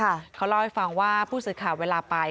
เขาเล่าให้ฟังว่าผู้สื่อข่าวเวลาไป